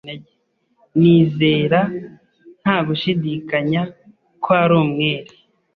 Nizera, nta gushidikanya, ko ari umwere.